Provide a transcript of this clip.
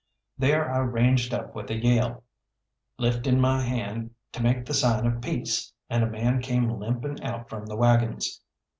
There I ranged up with a yell, lifting my hand to make the sign of peace, and a man came limping out from the waggons.